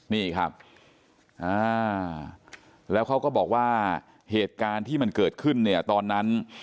นี่ครับแล้วเขาก็บอกว่าเหตุการณ์ที่มันเกิดขึ้นเนี่ยตอนนั้น